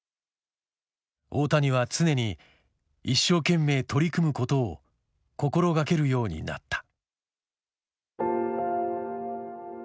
大谷は常に「一生懸命取り組む」ことを心がけるようになった。